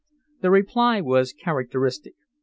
The reply was characteristic.